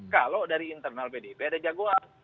kalau dari internal pdip ada jagoan